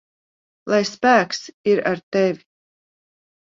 Lai spēks ir ar tevi!